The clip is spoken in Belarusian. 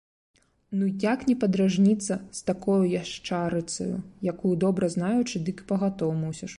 Ну як не падражніцца з такою яшчарыцаю, якую добра знаючы, дык і пагатоў мусіш.